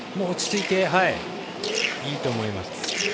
落ち着いていいと思います。